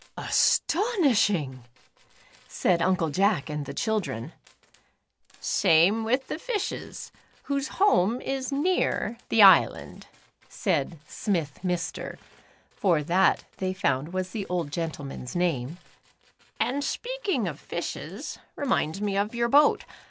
"Astonishing," said Uncle Jack and the*" chil dren. "Same with the fishes, whose home is near the The Upsidedownlans. 157 island," said Smith Mr. (for that, they found was the old gentleman's name), "and speaking of fishes, reminds me of your boat.